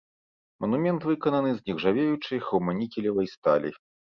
Манумент выкананы з нержавеючай хроманікелевай сталі.